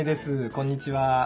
こんにちは。